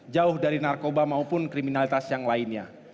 jauh dari narkoba maupun kriminalitas yang lainnya